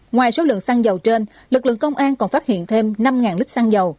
ngoài số lượng xăng dầu trên lực lượng công an còn phát hiện thêm năm lít xăng dầu